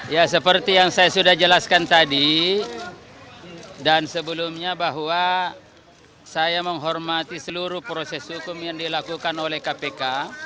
ya seperti yang saya sudah jelaskan tadi dan sebelumnya bahwa saya menghormati seluruh proses hukum yang dilakukan oleh kpk